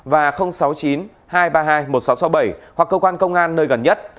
và sáu mươi chín hai trăm ba mươi hai một nghìn sáu trăm sáu mươi bảy hoặc cơ quan công an nơi gần nhất